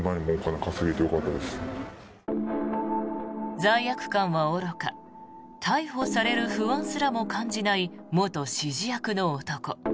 罪悪感はおろか逮捕される不安すらも感じない元指示役の男。